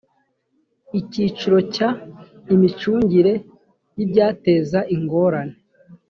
icyiciro cya…: imicungire y’ibyateza ingorane